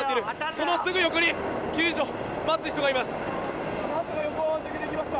そのすぐ横に救助を待つ人がいます。